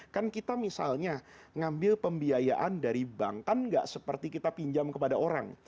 kan kita misalnya ngambil pembiayaan dari bank kan gak seperti kita pinjam kepada orang